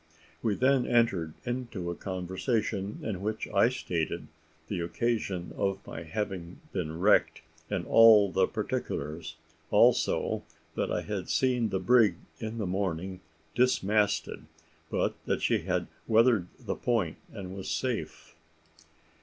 We then entered into a conversation, in which I stated the occasion of my having been wrecked, and all the particulars; also, that I had seen the brig in the morning dismasted, but that she had weathered the point, and was safe.